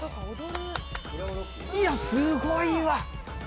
いやすごいわ。